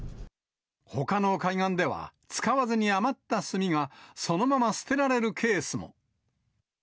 ほかの海岸では、使わずに余った炭がそのまま捨てられるケースも。